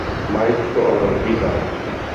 Mike to ale odmítá.